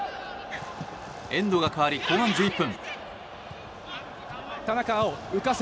エンドが変わり後半１１分。